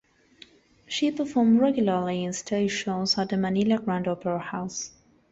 She performed regularly in stage shows at the Manila Grand Opera House.